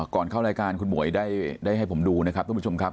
ก่อนเข้ารายการคุณหมวยได้ให้ผมดูนะครับทุกผู้ชมครับ